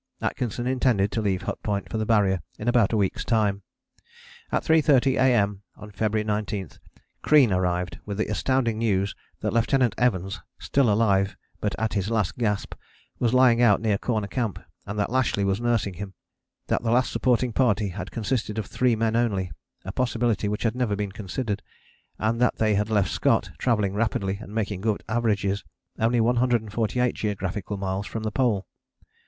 Atkinson intended to leave Hut Point for the Barrier in about a week's time. At 3.30 A.M. on February 19 Crean arrived with the astounding news that Lieutenant Evans, still alive but at his last gasp, was lying out near Corner Camp, and that Lashly was nursing him; that the Last Supporting Party had consisted of three men only, a possibility which had never been considered; and that they had left Scott, travelling rapidly and making good averages, only 148 geographical miles from the Pole.